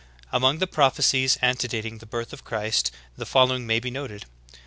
^ 20. Among the prophecies antedating the birth of Christ the following may be noted.